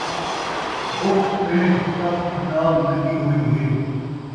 بکھ تریہہ سبھ نال لڳی ہوئی ہے